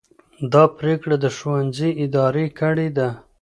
دا پرېکړه د ښوونځي ادارې کړې ده.